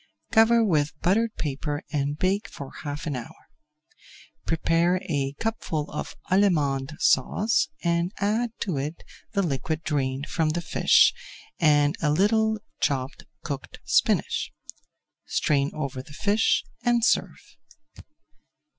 Cover with buttered paper and bake for half an hour. Prepare a cupful of Allemande Sauce and add to it the liquid drained from the fish and a little chopped cooked spinach. Strain over the fish and serve.